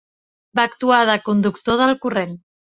Va actuar de conductor del corrent.